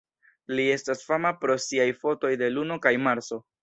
Li estas fama pro siaj fotoj de Luno kaj Marso.